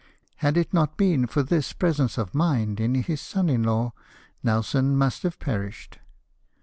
Had it not been for this presence of mind in his son in law Nelson must have perished.